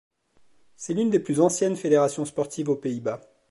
C'est l'une des plus anciennes fédérations sportives aux Pays-Bas.